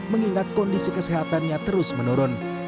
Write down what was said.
mengingat kondisi kesehatannya terus menurun